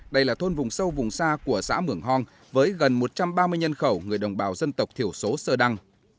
đây là thôn vùng sâu vùng xa của xã mưởng hòn với gần một trăm ba mươi nhân khẩu người đồng bào dân tập thiểu số sơ đăng